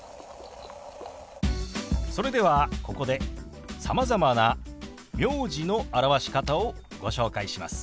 それではここでさまざまな名字の表し方をご紹介します。